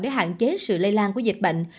để hạn chế sự lây lan của dịch bệnh